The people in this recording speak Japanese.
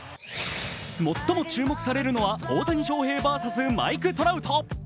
最も注目されるのは大谷翔平ｖｓマイク・トラウト。